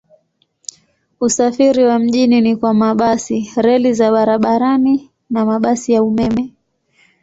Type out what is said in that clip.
Usafiri wa mjini ni kwa mabasi, reli za barabarani na mabasi ya umeme.